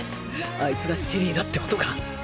あいつがシェリーだってことが。